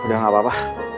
udah gak apa apa